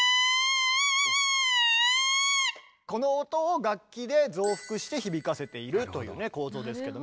この音を楽器で増幅して響かせているという構造ですけど。